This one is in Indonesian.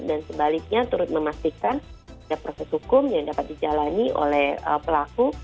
dan sebaliknya terus memastikan proses hukum yang dapat dijalani oleh pelaku